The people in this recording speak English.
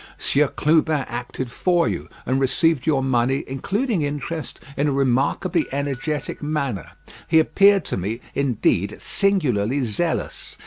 "Sieur Clubin acted for you, and received your money, including interest, in a remarkably energetic manner. He appeared to me, indeed, singularly zealous.